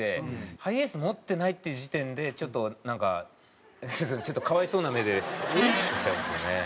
ハイエース持ってないっていう時点でなんかちょっと可哀想な目で見ちゃうんですよね。